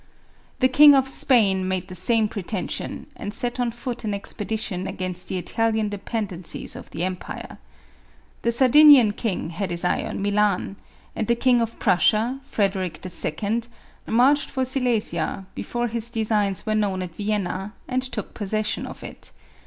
The King of Spain made the same preten sion, and set on foot an expedition againsMhe Italian dependencies of the empire. The Sardinian king had his eye on Milan; and the King of Prussia, Frederic II., marched for Silesia before his designs were known at Vienna, and took possession of it.